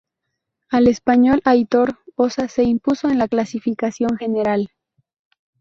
El español Aitor Osa se impuso en la clasificación general.